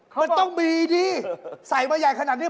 มันต้องมีดิใส่มาใหญ่ขนาดนี้